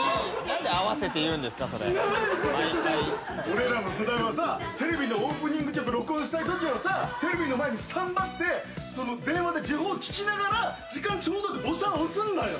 俺らの世代はさテレビのオープニング曲録音したいときはさテレビの前にスタンバって電話で時報聞きながら時間ちょうどでボタン押すんだよ。